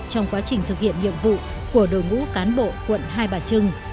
trong quá trình thực hiện nhiệm vụ của đội ngũ cán bộ quận hai bà trưng